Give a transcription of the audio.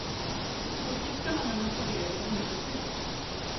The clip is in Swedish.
Uppgifterna lämnas i regel inte ut.